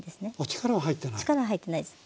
力は入ってないです